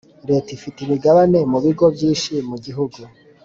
Leta ifite imigabane mubigo byinshi mugihugu